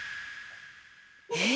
えっ？